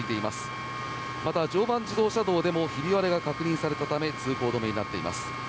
また、常磐自動車道でもひび割れが確認されたため通行止めになっています。